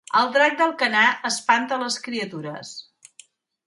El drac d'Alcanar espanta les criatures